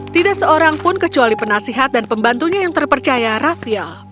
tidak seorang pun kecuali penasihat dan pembantunya yang terpercaya rafia